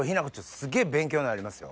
すげぇ勉強になりますよ。